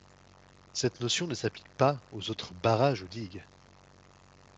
Cette notion ne s'applique pas aux autres barrages ou digues.